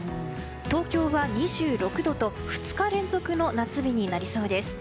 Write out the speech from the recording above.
東京は２６度と２日連続の夏日になりそうです。